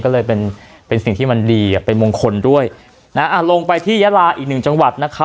ก็เลยเป็นเป็นสิ่งที่มันดีอ่ะเป็นมงคลด้วยนะอ่าลงไปที่ยาลาอีกหนึ่งจังหวัดนะคะ